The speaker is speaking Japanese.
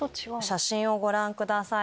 写真をご覧ください。